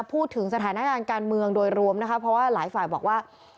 พูดถึงสถานการณ์การเมืองโดยรวมนะคะเพราะว่าหลายฝ่ายบอกว่า